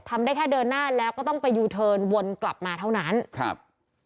ทำได้แค่เดินหน้าแล้วก็ต้องไปยูเทิร์นวนกลับมาเท่านั้นครับ